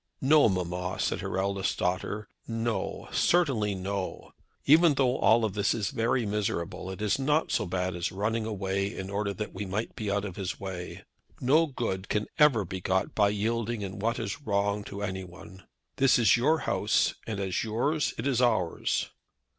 "No, mamma," said her eldest daughter. "No, certainly no. Even though all this is very miserable, it is not so bad as running away in order that we might be out of his way. No good can ever be got by yielding in what is wrong to any one. This is your house; and as yours it is ours."